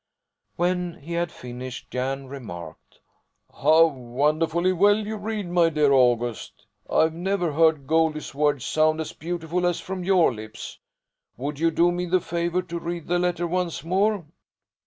When he had finished, Jan remarked: "How wonderfully well you read, my dear August! I've never heard Goldie's words sound as beautiful as from your lips. Would you do me the favour to read the letter once more?"